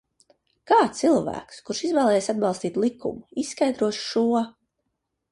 Kā cilvēks, kurš izvēlējies atbalstīt likumu, izskaidros šo?